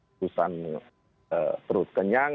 perusahaan perut kenyang